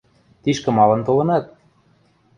– Тишкӹ малын толынат?